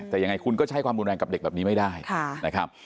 แต่ยังไงคุณก็ใช้ความรุนแรงกับเด็กแบบนี้ไม่ได้นะครับ